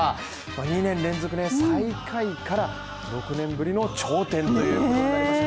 ２年連続、最下位から６年ぶりの頂点ということになりました。